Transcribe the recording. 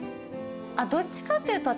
どっちかっていうと。